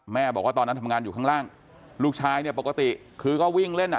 แม่บอกว่าตอนนั้นทำงานอยู่ข้างล่างลูกชายเนี่ยปกติคือก็วิ่งเล่นอ่ะ